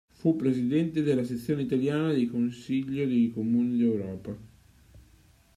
Fu presidente della sezione italiana dei Consiglio dei Comuni d'Europa.